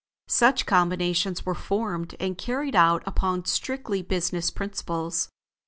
Such combinations were formed and carried out upon strictly business principles.